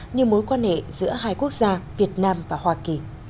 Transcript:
như mối quan hệ giữa hai quốc gia việt nam và hoa kỳ